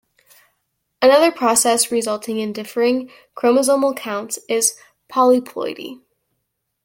Another process resulting in differing chromosomal counts is polyploidy.